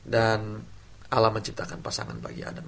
dan allah menciptakan pasangan bagi adam